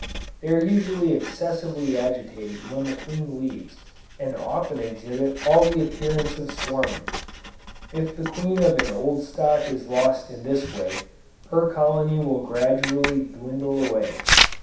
They are usually excessively agitated when the queen leaves, and often exhibit all the appearance of swarming. If the queen of an old stock is lost in this way, her colony will gradually dwindle away.